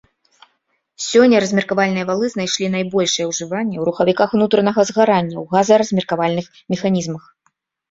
Сёння размеркавальныя валы знайшлі найбольшае ўжыванне ў рухавіках унутранага згарання ў газаразмеркавальных механізмах.